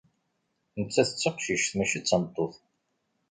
Nettat d taqcict, mačči d tameṭṭut.